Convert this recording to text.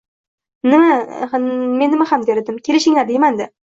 Men nima ham der edim, kelishinglar deyman-da.